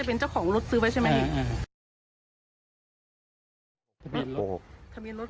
อันนี้น่าจะเป็นเจ้าของรถซื้อไว้ใช่ไหม